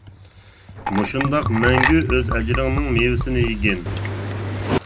مۇشۇنداق مەڭگۈ ئۆز ئەجرىڭنىڭ مېۋىسىنى يېگىن.